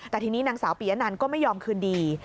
แต่ทีนี้นางสาวปียะนันก็ไม่ยอมคืนดี